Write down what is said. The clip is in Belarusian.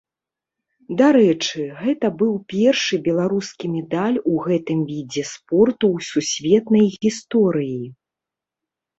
Дарэчы, гэта быў першы беларускі медаль у гэтым відзе спорту ў сусветнай гісторыі.